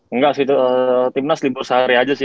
enggak sih tim nas libur sehari aja sih